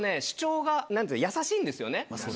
主張が優しいんですよね！